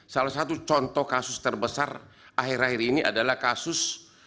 salah satu contoh kasus terbesar akhir akhir ini adalah kasus